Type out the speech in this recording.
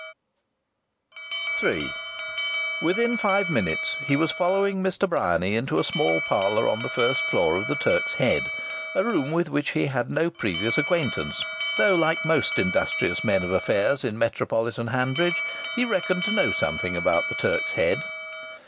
III Within five minutes he was following Mr. Bryany into a small parlour on the first floor of the Turk's Head a room with which he had no previous acquaintance, though, like most industrious men of affairs in metropolitan Hanbridge, he reckoned to know something about the Turk's Head.